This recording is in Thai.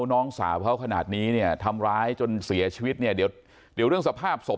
น้องสาวเขาขนาดนี้เนี่ยทำร้ายจนเสียชีวิตเนี่ยเดี๋ยวเดี๋ยวเรื่องสภาพศพ